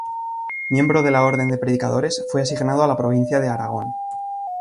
Miembro de la orden de predicadores, fue asignado a la provincia de Aragón.